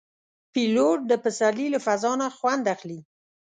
پیلوټ د پسرلي له فضا نه خوند اخلي.